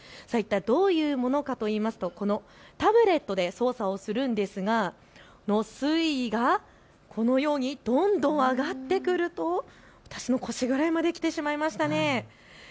どういうものかといいますとタブレットで操作をするんですが水位がこのようにどんどん上がってくると、私の腰ぐらいまで来ました。